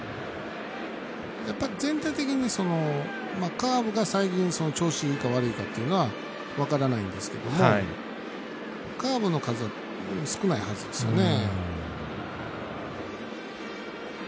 全体的にカーブが最近、調子がいいか悪いかというのは分からないんですけどもカーブの数は少ないはずですよね。